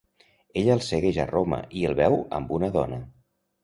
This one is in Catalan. Ella el segueix a Roma i el veu amb una dona.